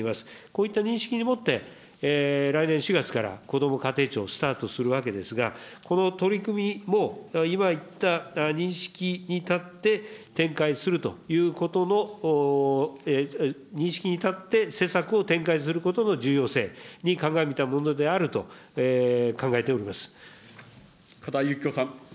こういった認識にもって、来年４月からこども家庭庁をスタートするわけですが、この取り組みも、今言った認識に立って、展開するということの、認識に立って施策を、重要性に鑑みたものであると考えておりま嘉田由紀子さん。